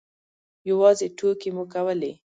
یوازې ټوکې مو کولې.